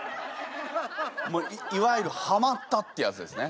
もういわゆるはまったってやつですね。